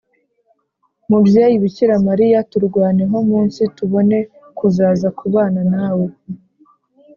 Mubyeyi bikira mariya turwaneho munsi tubone kuzaza kubana nawe